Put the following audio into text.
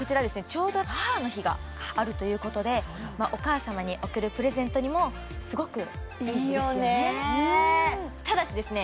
ちょうど母の日があるということでまあお母様に贈るプレゼントにもすごくいいですよねいいよねただしですね